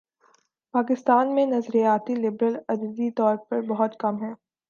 پاکستان میں نظریاتی لبرل عددی طور پر بہت کم ہیں۔